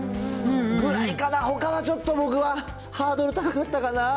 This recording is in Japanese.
ぐらいかな、ほかは、ちょっと僕はハードル高かったかな。